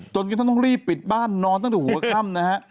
กระทั่งต้องรีบปิดบ้านนอนตั้งแต่หัวค่ำนะฮะ